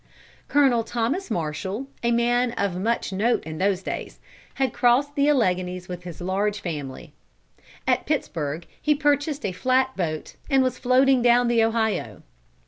Colonel Thomas Marshall, a man of much note in those days, had crossed the Alleghanies with his large family. At Pittsburgh he purchased a flat boat, and was floating down the Ohio.